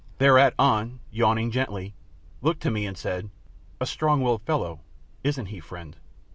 Thereat An, yawning gently, looked to me and said, "A strong willed fellow, isn't he, friend?"